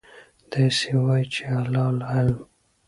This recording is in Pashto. داسې وایئ چې: الله أعلم.